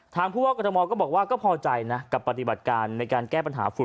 ผู้ว่ากรทมก็บอกว่าก็พอใจนะกับปฏิบัติการในการแก้ปัญหาฝุ่น